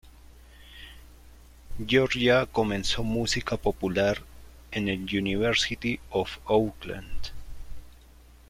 Georgia comenzó música popular en el University of Auckland.